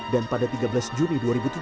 dan pada tiga belas juni dua ribu tujuh belas